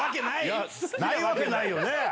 ⁉ないわけないよね？